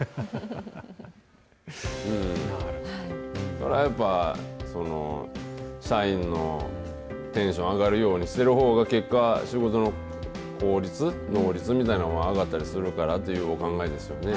それはやっぱ、その社員のテンション上がるようにしてるほうが、結果、仕事の効率、能率みたいなものも上がったりするからというお考えですよね。